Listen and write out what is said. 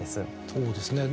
そうですね